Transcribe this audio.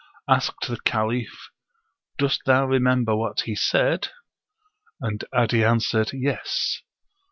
'" Asked the Caliph, "Dost thou remember what he said?" And 'Adi answered, "Yes."